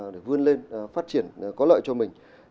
để vươn lên phát triển có lợi cho mình